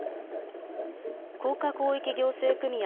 甲賀広域行政組合